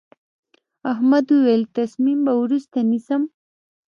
احمد وويل: تصمیم به وروسته نیسم.